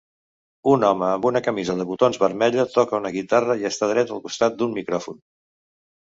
Un home amb camisa de botons vermella toca una guitarra i està dret al costat d'un micròfon.